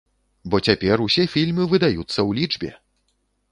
Бо цяпер усе фільмы выдаюцца ў лічбе!